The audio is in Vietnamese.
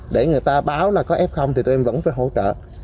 để người ta báo là có f thì tụi em vẫn phải hỗ trợ